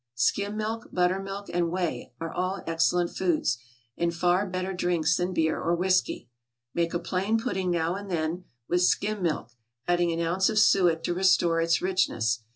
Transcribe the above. Skim milk, butter milk, and whey, are all excellent foods, and far better drinks than beer or whiskey. Make a plain pudding now and then, with skim milk, adding an ounce of suet to restore its richness.